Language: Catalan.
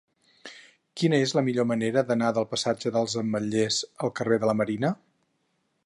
Quina és la millor manera d'anar del passatge dels Ametllers al carrer de la Marina?